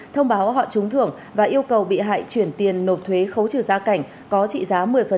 thông báo họ trúng thưởng và yêu cầu bị hại chuyển tiền nộp thuế khấu trừ gia cảnh có trị giá một mươi